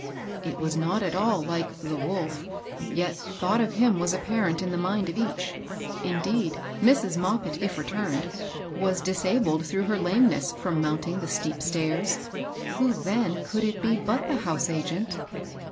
It was not at all Uke the wolf; yet thought of him was apparent in the mind of each. Indeed, Mrs, Moppit, if returned, was disabled through her lameness from mounting the steep stairs ; who then could it be but the house agent